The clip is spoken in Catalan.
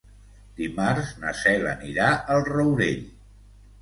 Dimarts na Cel anirà al Rourell.